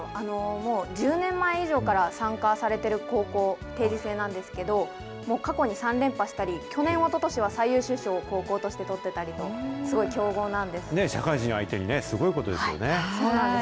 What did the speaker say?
もう１０年前以上から参加されてる高校、定時制なんですけど、もう過去に３連覇したり、去年、おととしは最優秀賞を高校として取社会人相手にね、すごいことそうなんです。